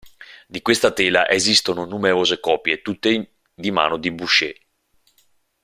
Di questa tela esistono numerose copie tutte di mano di Boucher.